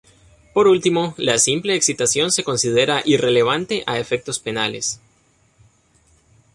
Por último, la simple excitación se considera irrelevante a efectos penales.